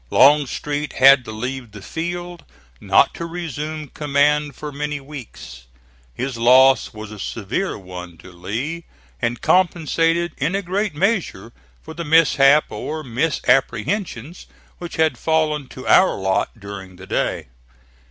Longstreet had to leave the field, not to resume command for many weeks. His loss was a severe one to Lee, and compensated in a great measure for the mishap, or misapprehensions, which had fallen to our lot during the day.